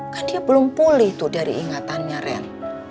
kan dia belum pulih tuh dari ingatannya ren